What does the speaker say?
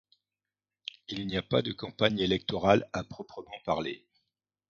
Il n'y a pas de campagne électorale à proprement parler.